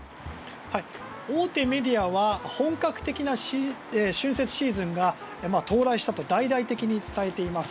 大手メディアは、本格的な春節シーズンが到来したと大々的に伝えています。